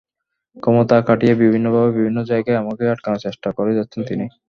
ক্ষমতা খাটিয়ে বিভিন্নভাবে বিভিন্ন জায়গায় আমাকে আটকানোর চেষ্টা করে যাচ্ছেন তিনি।